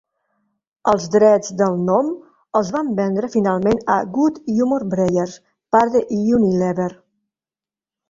Els drets del nom els van vendre finalment a Good Humor-Breyers, part d'Unilever.